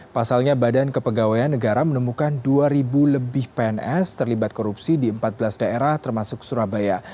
pasalnya badan kepegawaian negara menemukan dua lebih pns terlibat korupsi di empat belas daerah termasuk surabaya